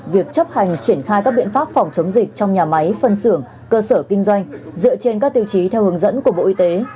việc chấp hành triển khai các biện pháp phòng chống dịch trong nhà máy phân xưởng cơ sở kinh doanh dựa trên các tiêu chí theo hướng dẫn của bộ y tế